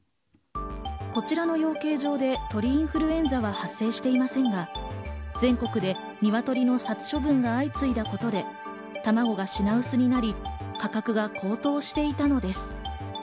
こちらの養鶏場では鳥インフルエンザは発生していませんが全国で鶏の殺処分が相次いだことで卵が品薄になり価格が高騰していたのです。